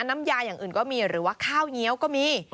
น้ำยาอย่างอื่นก็มีหรือว่าข้าวเงี้ยวก็มี